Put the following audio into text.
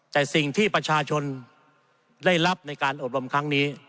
แต่สิ่งที่ประชาชนได้รับในการอบรมครั้งนี้